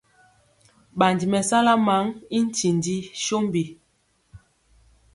Ɓandi mɛsala maŋ i tindi sombi.